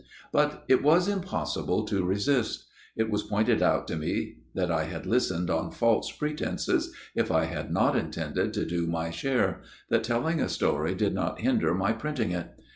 But it was impossible to resist ; it was pointed out to me that I had listened on false pretences if I had not intended to do my share, that telling a story did not hinder my printing it.